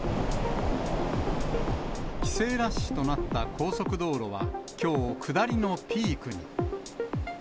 帰省ラッシュとなった高速道路はきょう、下りのピークに。